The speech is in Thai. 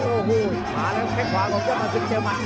โอ้โหหาแล้วแค่ขวาของยาบราศึกเซียวมัน